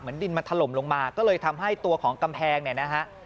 ดินมันถล่มลงมาก็เลยทำให้ตัวของกำแพงเนี่ยนะฮะ